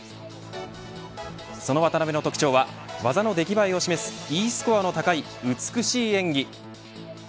その渡部の特徴は技の出来栄えを示すＥスコアの高い美しい演技。